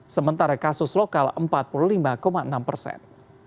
sementara kasus lokal empat puluh lima enam persen